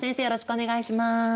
よろしくお願いします。